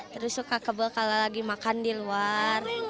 terus suka kebel kalau lagi makan di luar